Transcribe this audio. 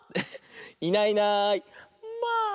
「いないいないまあ！」。